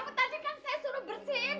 kamu tadi kan saya suruh bersihin